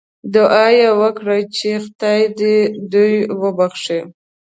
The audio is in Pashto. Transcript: دعا یې وکړه چې خدای دې دوی وبخښي.